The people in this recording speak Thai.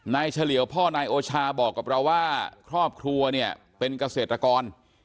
เฉลี่ยวพ่อนายโอชาบอกกับเราว่าครอบครัวเนี่ยเป็นเกษตรกร